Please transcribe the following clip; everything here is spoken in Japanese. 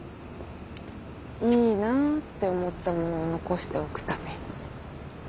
いいなって思ったものを残しておくために。